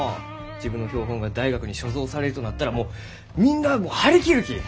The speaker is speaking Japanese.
自分の標本が大学に所蔵されるとなったらもうみんなあも張り切るき！